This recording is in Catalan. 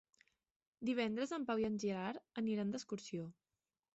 Divendres en Pau i en Gerard aniran d'excursió.